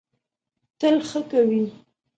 تل ښه کوی.